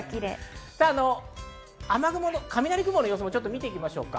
雨雲、雷雲の様子を見ていきます。